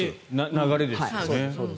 流れですよね。